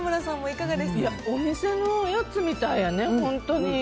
お店のやつみたいやね、本当に。